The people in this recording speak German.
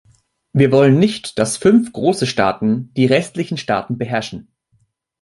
Wir wollen nicht, dass fünf große Staaten die restlichen Staaten beherrschen.